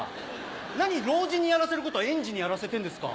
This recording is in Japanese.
何老人にやらせること園児にやらせてんですか！